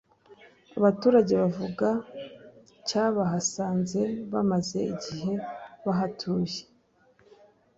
Abaturage bavuga cyabahasanze bamaze igihe bahatuye